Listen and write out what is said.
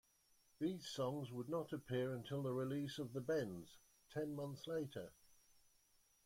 These songs would not appear until the release of "The Bends", ten months later.